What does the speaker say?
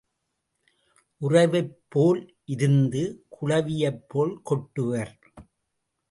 உறவைப்போல் இருந்து குளவியைப்போல் கொட்டுவர்.